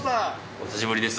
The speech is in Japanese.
お久しぶりです。